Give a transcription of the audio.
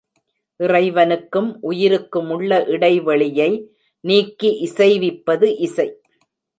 இறைவனுக்கும் உயிருக்குமுள்ள இடை வெளியை நீக்கி இசைவிப்பது இசை.